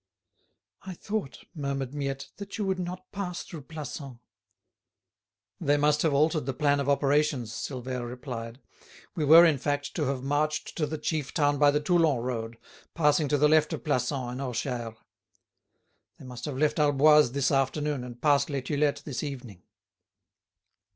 "I thought," murmured Miette, "that you would not pass through Plassans?" "They must have altered the plan of operations," Silvère replied; "we were, in fact, to have marched to the chief town by the Toulon road, passing to the left of Plassans and Orcheres. They must have left Alboise this afternoon and passed Les Tulettes this evening."